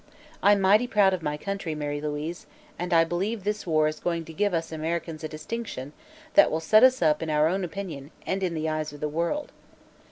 I'm mighty proud of my country, Mary Louise, and I believe this war is going to give us Americans a distinction that will set us up in our own opinion and in the eyes of the world.